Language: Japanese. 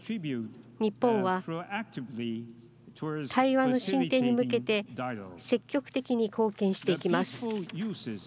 日本は対話の進展に向けて積極的に貢献していきます。